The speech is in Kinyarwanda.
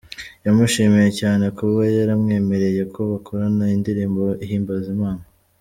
Yamushimiye cyane kuba yaramwemereye ko bakorana indirimbo ihimbaza Imana.